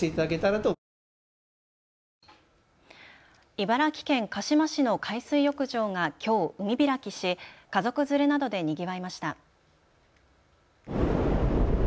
茨城県鹿嶋市の海水浴場がきょう海開きし家族連れなどでにぎわいました。